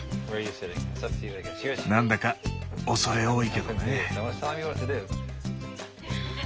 なんだか畏れ多いけどね。